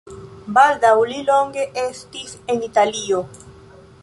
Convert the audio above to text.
Baldaŭ li longe estis en Italio.